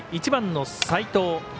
１番の齋藤。